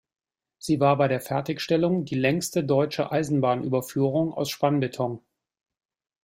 Sie war bei der Fertigstellung die längste deutsche Eisenbahnüberführung aus Spannbeton.